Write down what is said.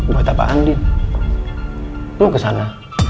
buat apaan din lu kesana